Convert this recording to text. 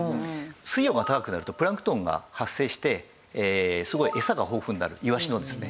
水温が高くなるとプランクトンが発生してすごい餌が豊富になるイワシのですね。